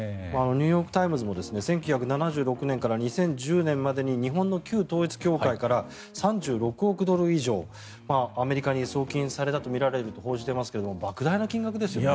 ニューヨーク・タイムズも１９７６年から２０１０年までに日本の旧統一教会から３６億ドル以上アメリカに送金されたとみられると報じていますがばく大な金額ですよね。